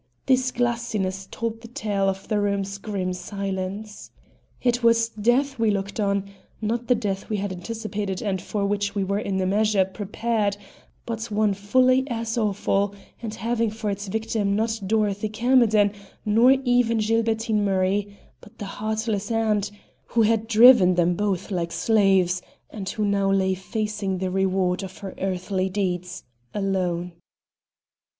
This glassiness told the tale of the room's grim silence. It was death we looked on; not the death we had anticipated and for which we were in a measure prepared, but one fully as awful, and having for its victim not Dorothy Camerden nor even Gilbertine Murray, but the heartless aunt, who had driven them both like slaves, and who now lay facing the reward of her earthly deeds, alone.